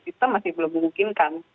sistem masih belum dimungkinkan